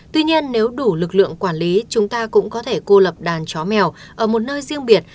tuy nhiên nếu đủ lực lượng quản lý chúng ta cũng có thể cô lập đàn chó mèo ở một nơi riêng biệt